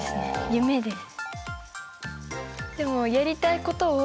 夢です。